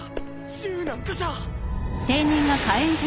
銃なんかじゃ。